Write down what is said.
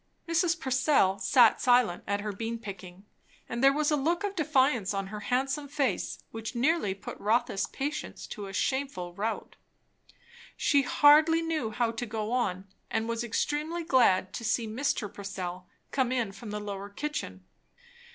Mrs. Purcell sat silent at her bean picking, and there was a look of defiance on her handsome face which nearly put Rotha's patience to a shameful rout. She hardly knew how to go on; and was extremely glad to see Mr. Purcell come in from the lower kitchen.